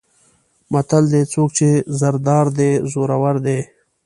متل دی: څوک چې زر دار دی زورور دی.